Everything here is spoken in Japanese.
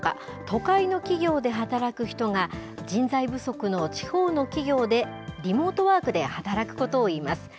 都会の企業で働く人が、人材不足の地方の企業でリモートワークで働くことをいいます。